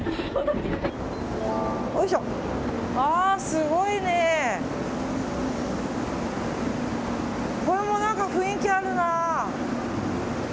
すごいね。これも何か雰囲気あるな。